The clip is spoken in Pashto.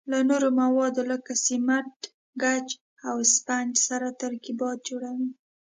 له نورو موادو لکه سمنټ، ګچ او اسفنج سره ترکیبات جوړوي.